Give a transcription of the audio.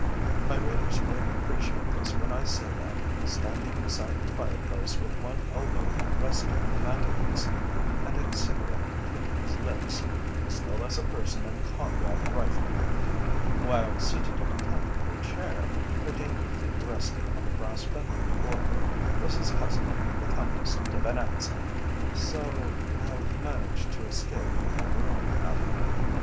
My readers will appreciate this when I say that, standing beside the fireplace, with one elbow resting on the mantel piece, and a cigarette between his lips, was no less a person than Conrad Reiffenburg; while seated in a comfortable chair, her dainty feet resting on the brass fender before her, was his cousin, the Countess de Venetza! "So you have managed to escape from your room, have you?"